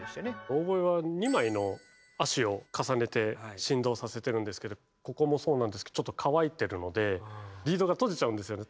オーボエは２枚の葦を重ねて振動させてるんですけどここもそうなんですけどちょっと乾いてるのでリードが閉じちゃうんですよね。